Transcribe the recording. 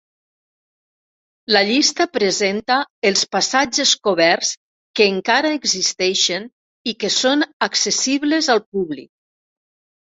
La llista presenta els passatges coberts que encara existeixen i que són accessibles al públic.